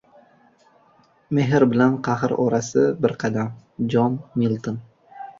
Mehr bilan qahr orasi bir qadam. Jon Milton